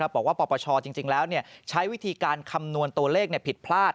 ปปชจริงแล้วใช้วิธีการคำนวณตัวเลขผิดพลาด